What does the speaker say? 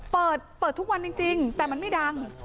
เปิดเปิดทุกวันจริงแต่มันไม่ดัง